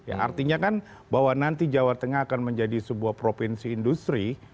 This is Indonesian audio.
artinya kan bahwa nanti jawa tengah akan menjadi sebuah provinsi industri